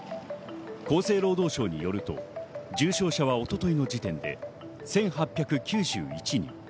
厚生労働省によると重症者は一昨日の時点で１８９１人。